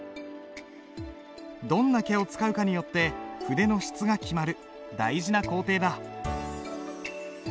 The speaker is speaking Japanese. どんな毛を使うかによって筆の質が決まる大事な工程だ。